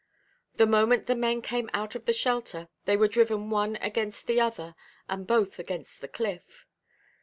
The moment the men came out of the shelter, they were driven one against the other, and both against the cliff.